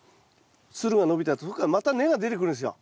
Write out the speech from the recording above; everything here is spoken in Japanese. つるが伸びたとこからまた根が出てくるんですよ